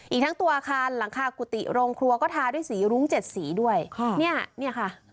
อีกทั้งตัวอาคารหลังคากุฏิโรงครัวก็ทาด้วยสีรุ้งเจ็ดสีด้วยค่ะเนี่ยค่ะ